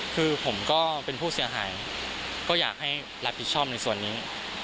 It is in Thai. คือผมก็เป็นผู้เสียหายก็อยากให้รับผิดชอบในส่วนนี้